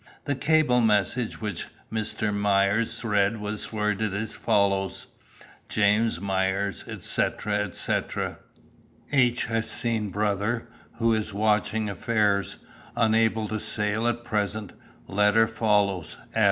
The cable message which Mr. Myers read was worded as follows: "Jas. Myers, etc., etc. "H. has seen brother, who is watching affairs, unable to sail at present; letter follows.